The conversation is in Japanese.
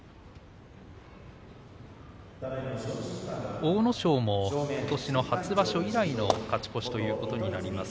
阿武咲もことしの初場所以来の勝ち越しということになります。